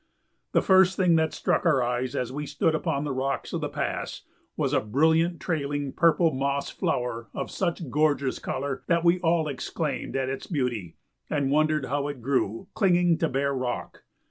The first thing that struck our eyes as we stood upon the rocks of the pass was a brilliant trailing purple moss flower of such gorgeous color that we all exclaimed at its beauty and wondered how it grew clinging to bare rock.